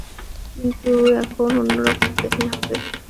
কিন্তু এখন অন্যরকম কাহিনী হবে।